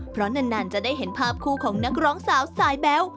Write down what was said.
เพราะนานจะได้เห็นภาพคู่ของนักร้องสาวสายแบ๊ว